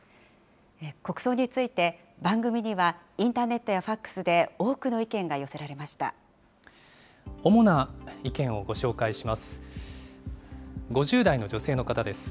国葬について、番組にはインターネットやファックスで多くの意見が寄せられまし主な意見をご紹介します。